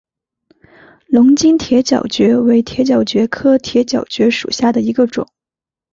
龙津铁角蕨为铁角蕨科铁角蕨属下的一个种。